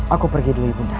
aku pergi dulu ibu nda